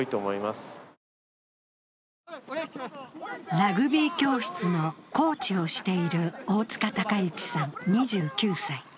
ラグビー教室のコーチをしている大塚貴之さん２９歳。